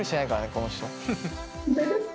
この人。